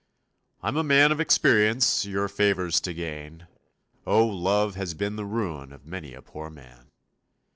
I'm a man of experience Your favors to gain, Oh, love has been the ruin Of many a poor man.